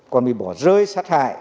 còn bị bỏ rơi sát hại